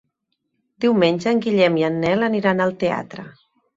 Diumenge en Guillem i en Nel aniran al teatre.